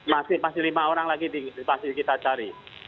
masih lima orang lagi pasti kita cari